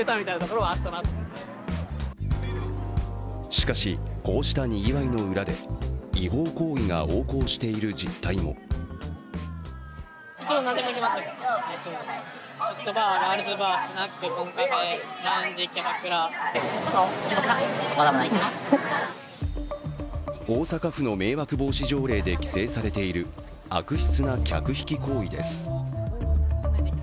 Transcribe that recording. しかし、こうしたにぎわいの裏で違法行為が横行している実態も大阪府の迷惑防止条例で規制されている悪質な客引き行為です。